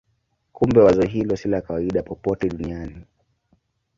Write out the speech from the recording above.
Kumbe wazo hilo si la kawaida popote duniani.